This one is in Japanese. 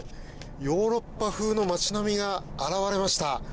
ヨーロッパ風の街並みが現れました。